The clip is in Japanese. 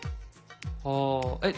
ああえっ